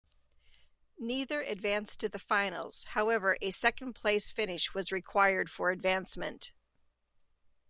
Neither advanced to the finals, however, as a second-place finish was required for advancement.